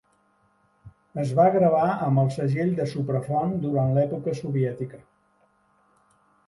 Es va gravar amb el segell de Supraphon durant l'època soviètica.